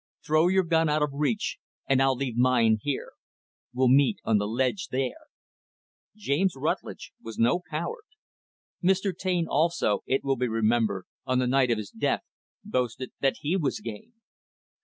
Throw your gun out of reach and I'll leave mine here. We'll meet on the ledge there." James Rutlidge was no coward. Mr. Taine, also, it will be remembered, on the night of his death, boasted that he was game.